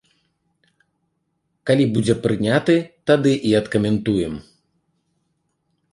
Калі будзе прыняты, тады і адкаментуем.